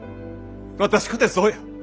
私かてそうや！